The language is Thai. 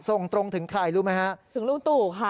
ส่งตรงถึงใครรู้ไหมฮะถึงลุงตู่ค่ะ